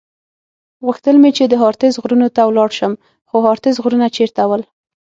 غوښتل مې چې د هارتز غرونو ته ولاړ شم، خو هارتز غرونه چېرته ول؟